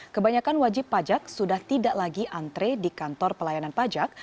kebanyakan wajib pajak sudah tidak lagi antre di kantor pelayanan pajak